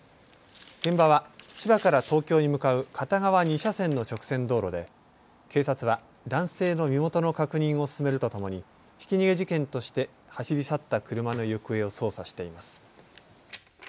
現場は千葉から東京に向かう片側２車線の直線道路で警察は男性の身元の確認を進めるとともにひき逃げ事件として走り去った車の行方を捜査しています。